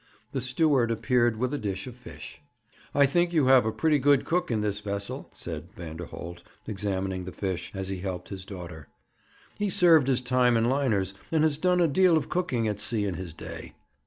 The steward appeared with a dish of fish. 'I think you have a pretty good cook in this vessel,' said Vanderholt, examining the fish, as he helped his daughter. 'He served his time in liners, and has done a deal of cooking at sea in his day.'